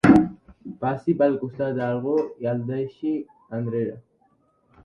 Passi pel costat d'algú i el deixi enrere.